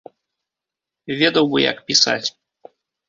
Ведаў бы, як пісаць!